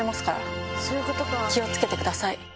気を付けてください。